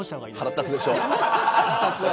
腹立つでしょ。